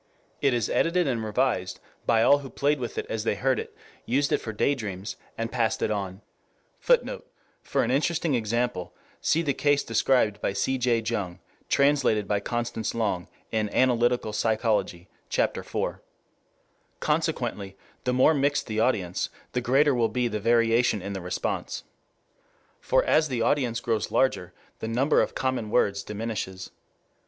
It is edited and revised by all who played with it as they heard it, used it for day dreams, and passed it on. [Footnote: For an interesting example, see the case described by C. J. Jung, Zentralblatt für Psychoanalyse, 1911, Vol. I, p. 81. Translated by Constance Long, in Analytical Psychology, Ch. IV.] Consequently the more mixed the audience, the greater will be the variation in the response. For as the audience grows larger, the number of common words diminishes.